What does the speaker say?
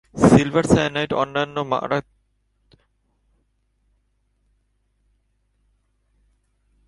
Silver cyanide অন্যান্য ঋণাত্মক আয়নের সাথে বিক্রিয়া করে কাঠামোগত জটিল পদার্থ তৈরি করে।